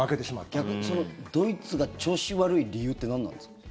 逆にドイツが調子悪い理由って何なんですか？